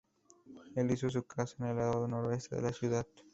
Él hizo su casa en el lado noroeste de la ciudad.